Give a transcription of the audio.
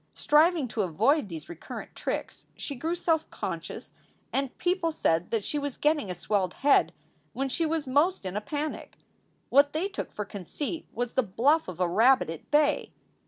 Striving to avoid these recurrent tricks, she grew self conscious, and people said that she was getting a swelled head when she was most in a panic. What they took for conceit was the bluff of a rabbit at bay.